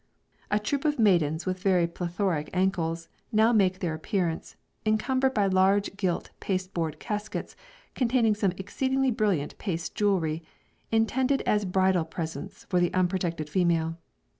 A troupe of maidens with very plethoric ancles, now make their appearance, encumbered by large gilt paste board caskets, containing some exceedingly brilliant paste jewelry, intended as bridal presents for the unprotected female.